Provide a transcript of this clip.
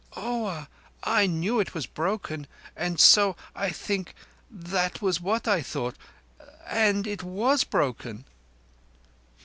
"Oah! I knew it was broken, and so, I think, that was what I thought—and it was broken."